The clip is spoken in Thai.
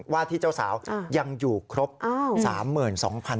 ว่าที่เจ้าสาวยังอยู่ครบ๓๒